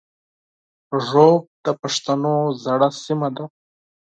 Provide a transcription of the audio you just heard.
ږوب د پښتنو زړه سیمه ده